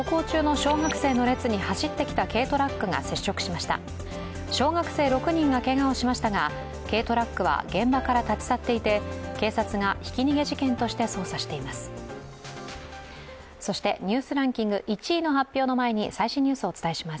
小学生６人がけがをしましたが軽トラックは現場から立ち去っていて、警察がひき逃げ事件として捜査しています。